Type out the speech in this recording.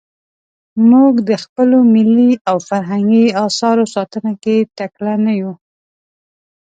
موږ د خپلو ملي او فرهنګي اثارو ساتنه کې تکړه نه یو.